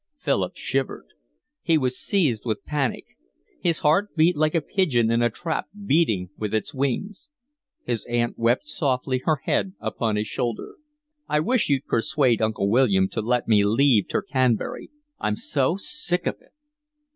Philip shivered. He was seized with panic. His heart beat like a pigeon in a trap beating with its wings. His aunt wept softly, her head upon his shoulder. "I wish you'd persuade Uncle William to let me leave Tercanbury. I'm so sick of it."